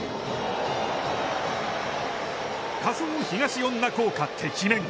仮想東恩納効果てきめん。